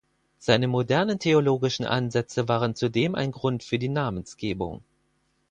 Seine modernen theologischen Ansätze waren zudem ein Grund für die Namensgebung.